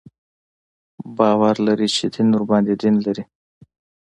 باور لري چې دین ورباندې دین لري.